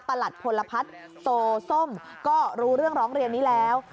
หลัดพลพัฒน์โซส้มก็รู้เรื่องร้องเรียนนี้แล้ว